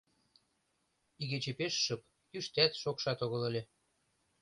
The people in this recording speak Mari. Игече пеш шып, йӱштат, шокшат огыл ыле.